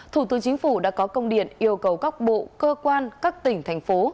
thủ tướng chính phủ đã có công điện yêu cầu các bộ cơ quan các tỉnh thành phố